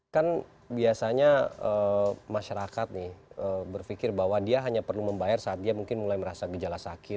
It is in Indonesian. kan biasanya masyarakat nih berpikir bahwa dia hanya perlu membayar saat dia mungkin mulai merasa gejala sakit